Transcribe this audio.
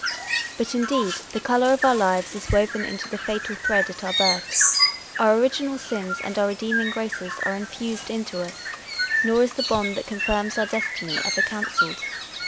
But, indeed, the colour of our lives is woven into the fatal thread at our births : our original sins, and our redeeming graces are infused into us ; nor is the bond, that confirms our destiny, ever cancelled.